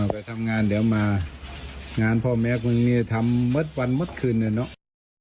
ไปทำงานเดี๋ยวมางานพ่อแม็กซ์มึงเนี่ยทำเมิดวันเมิดคืนเลยเนอะ